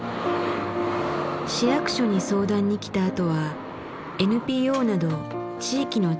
市役所に相談に来たあとはＮＰＯなど地域の力で支えていく。